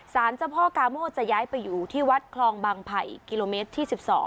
สารเจ้าพ่อกาโมจะย้ายไปอยู่ที่วัดคลองบางไผ่กิโลเมตรที่๑๒